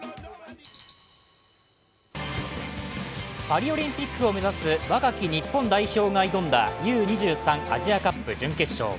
パリオリンピックを目指す若き日本代表が挑んだＵ−２３アジアカップ準決勝。